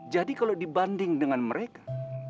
jadi kalau dibanding dengan mereka